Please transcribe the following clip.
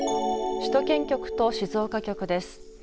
首都圏局と静岡局です。